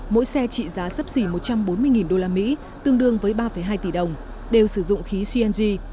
mỗi xe trị giá sắp xỉ một trăm bốn mươi usd tương đương với ba hai tỷ đồng đều sử dụng khí cng